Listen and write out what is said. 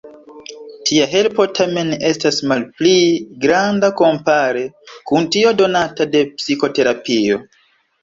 Tia helpo tamen estas malpli granda kompare kun tio donata de psikoterapio.